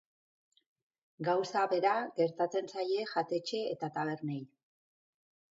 Gauza bera gertatzen zaie jatetxe eta tabernei.